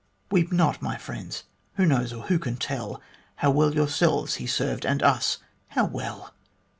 Weep not, my friends ! Who knows, or who can tell How well yourselves he served, and us, how well